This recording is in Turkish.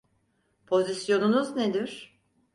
Pozisyonunuz nedir?